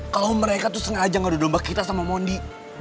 kalo mereka tuh sengaja gak dudombak kita sama mundi